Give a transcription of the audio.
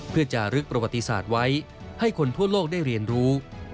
เพื่อจารึกประวัติศาสตร์ไว้ให้คนทั่วโลกได้เรียนรู้